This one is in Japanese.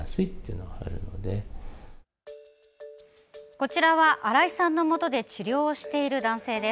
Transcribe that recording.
こちらは新井さんのもとで治療をしている男性。